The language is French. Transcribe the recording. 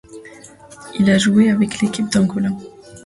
Il a joué avec l'équipe d'Angola.